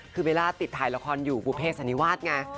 คือเบลล่าติดถ่ายละครอยู่บุเภสันนิวาสไง